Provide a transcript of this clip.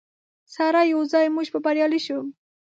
سره یوځای موږ به بریالي شو.